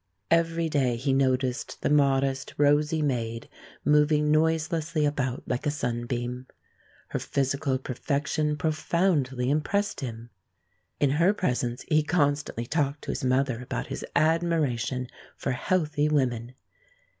Every day he noticed the modest rosy maid moving noiselessly about like a sunbeam. Her physical perfection profoundly impressed him. In her presence he constantly talked to his mother about his admiration for healthy women.